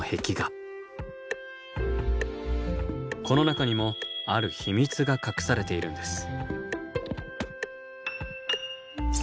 この中にもある秘密が隠されているんです。